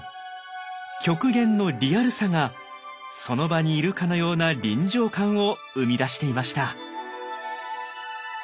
極限のリアルさがその場にいるかのような臨場感を生み出していました。